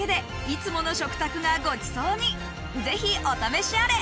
ぜひお試しあれ！